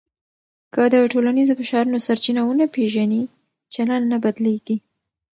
که د ټولنیزو فشارونو سرچینه ونه پېژنې، چلند نه بدلېږي.